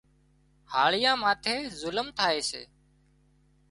هاۯيئاان ماٿي ظلم ٿائي سي